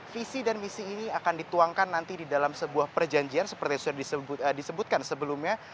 visi dan misi ini akan dituangkan nanti di dalam sebuah perjanjian seperti sudah disebutkan sebelumnya